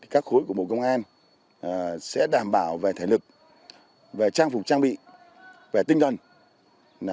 các khối của bộ công an sẽ đảm bảo về thể lực về trang phục trang bị về tinh thần